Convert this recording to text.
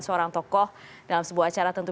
seorang tokoh dalam sebuah acara tentu